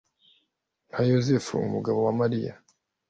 nka yosefu umugabo wa mariya